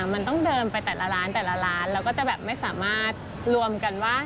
มันต้องเดินไปแต่ละร้านแต่ละร้านเราก็จะแบบไม่สามารถรวมกันว่า